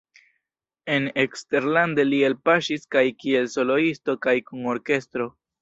En eksterlande li elpaŝis kaj kiel soloisto kaj kun orkestro.